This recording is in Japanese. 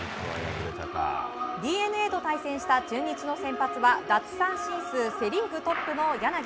ＤｅＮＡと対戦した中日の先発は奪三振数セ・リーグトップの柳。